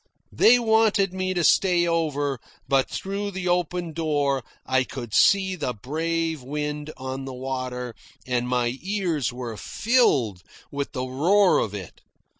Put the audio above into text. They wanted me to stay over, but through the open door I could see the brave wind on the water, and my ears were filled with the roar of it.